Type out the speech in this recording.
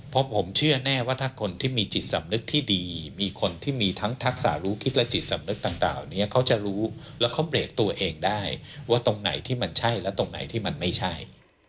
เพราะผมเชื่อแน่ว่าถ้าคนที่มีจิตสำนึกที่ดีมีคนที่มีทั้งทักษะรู้คิดและจิตสำนึกต่างนี้เขาจะรู้แล้วเขาเบรกตัวเองได้ว่าตรงไหนที่มันใช่และตรงไหนที่มันไม่ใช่